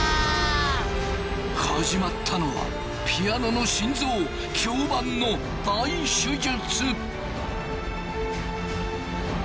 始まったのはピアノの心臓響板の大手術。